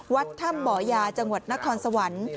วัดถ้ำบ่อยาจังหวัดนครสวรรค์